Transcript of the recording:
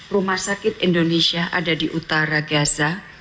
rumah sakit indonesia ada di utara gaza